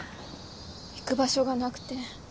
行く場所がなくて。